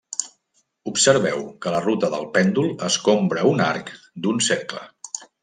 Observeu que la ruta del pèndol escombra un arc d'un cercle.